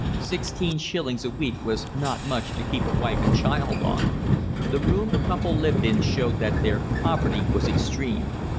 Sixteen shillings a week was not much to keep a wife and child on. The room the couple lived in showed that their poverty was extreme.